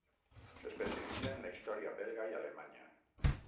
S'especialitza en la història belga i alemanya.